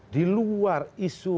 di luar isu